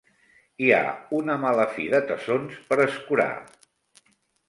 Hi ha una mala fi de tassons per escurar!